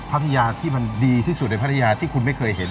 ประธิยาที่มันดีที่สุดในประธิยาที่คุณไม่เคยเห็น